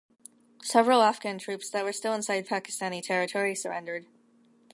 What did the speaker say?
Several Afghan troops that were still inside Pakistani territory surrendered.